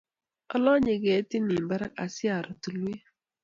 Alanye ketit nin parak asiaro tulwet